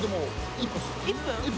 １分？